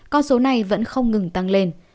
con số này vẫn không ngừng tăng lên